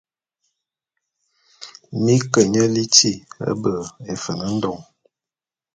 Mi ke nye liti be Efen-Ndon.